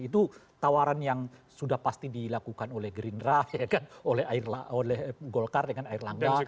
itu tawaran yang sudah pasti dilakukan oleh gerindra oleh golkar dengan air langga